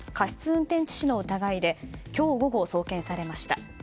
運転致死の疑いで今日午後、送検されました。